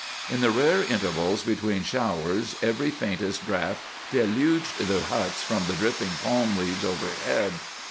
In the rare intervals between showers every faintest draught deluged the huts from the dripping palm leaves overhead.